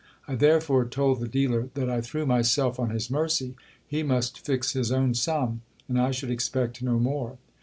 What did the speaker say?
I therefore told the dealer that I threw myself on his mercy : he must fix his own sum, and I should expect no more.